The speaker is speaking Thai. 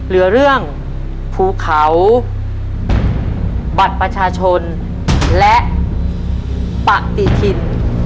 เรือเรื่องภูเขาบทประชาชนและปะติดิน